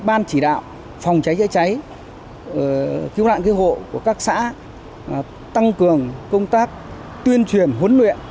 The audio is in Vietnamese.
ban chỉ đạo phòng cháy chữa cháy cứu nạn cứu hộ của các xã tăng cường công tác tuyên truyền huấn luyện